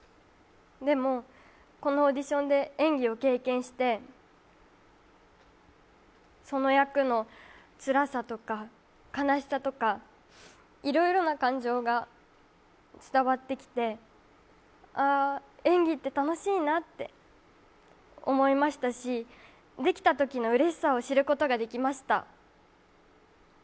でも、このオーディションで演技を経験してその役のつらさとか、悲しさとか、いろいろな感情が伝わってきてああ、演技って楽しいなって思いましたしできたときのうれしさを知ることができました。